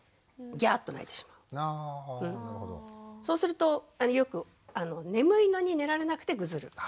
そうするとよく眠いのに寝られなくてぐずる。